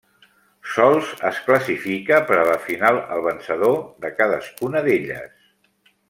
Sols es classifica per a la final el vencedor de cadascuna d'elles.